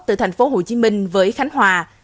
từ thành phố hồ chí minh với khánh hòa